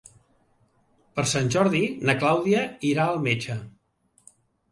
Per Sant Jordi na Clàudia irà al metge.